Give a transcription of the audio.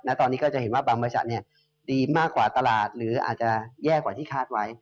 ตอนนี้ก็จะเห็นว่าบางบริษัทดีมากกว่าตลาดหรืออาจจะแย่กว่าที่คาดไว้